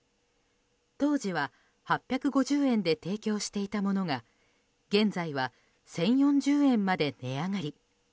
当時は８５０円で提供していたものが現在は１０４０年まで値上がり。